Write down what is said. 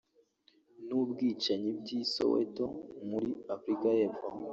n’ubwicanyi by’i Soweto muri Afurika y’epfo